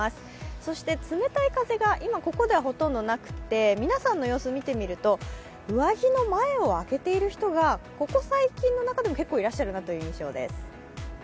そして、冷たい風が今ここではほとんどなくて皆さんの様子見てみると、上着の前を開けている人がここ最近の中でも、結構いらっしゃるなという印象です。